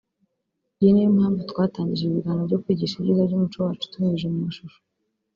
Iyo niyo mpanvu twatangije ibi biganiro byo kwigisha ibyiza by’umuco wacu tubinyujije mu mashusho”